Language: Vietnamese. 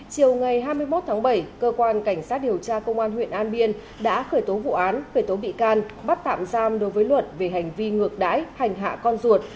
chiều ngày hai mươi một tháng bảy cơ quan cảnh sát điều tra công an huyện an biên đã khởi tố vụ án khởi tố bị can bắt tạm giam đối với luận về hành vi ngược đáy hành hạ con ruột